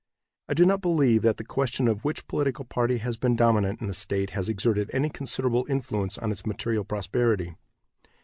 I do not believe that the question of which political party has been dominant in the state has exerted any considerable influence on its material prosperity.